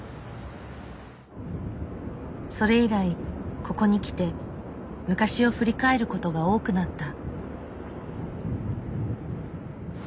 それ以来ここに来て昔を振り返る事が多くなった。